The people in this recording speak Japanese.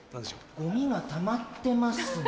ゴミがたまってますね。